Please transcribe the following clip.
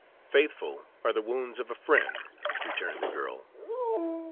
"'Faithful are the wounds of a friend,'" returned the girl.